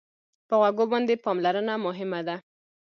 په غوږو باندې پاملرنه مهمه ده.